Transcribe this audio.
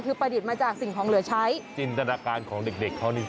คือประดิษฐ์มาจากสิ่งของเหลือใช้จินตนาการของเด็กเด็กเขาจริง